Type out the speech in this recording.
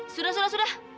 sudah sudah sudah